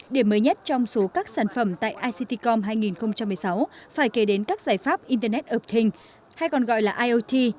điểm mới nhất trong số các sản phẩm tại ictcom hai nghìn một mươi sáu phải kể đến các giải pháp internet of thing hay còn gọi là iot